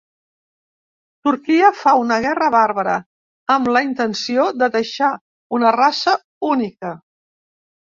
Turquia fa una guerra bàrbara amb la intenció de deixar una raça única.